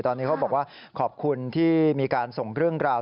ตอนนี้เขาบอกว่าขอบคุณที่มีการส่งเรื่องราว